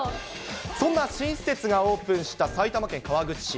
そんな新施設がオープンした埼玉県川口市。